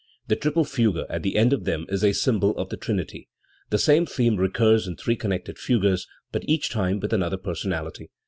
The triple fugue at the end of them is a symbol of the Trinity. The same theme recurs in three connected fugues, but each time with another personality.